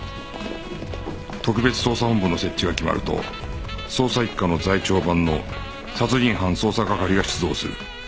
特別捜査本部の設置が決まると捜査一課の在庁番の殺人犯捜査係が出動する